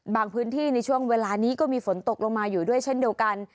พื้นที่ในช่วงเวลานี้ก็มีฝนตกลงมาอยู่ด้วยเช่นเดียวกัน